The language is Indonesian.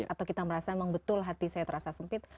atau kita merasa memang betul hati saya terasa sempit